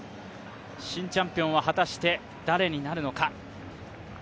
新チャンピオンは果たして誰になるのか。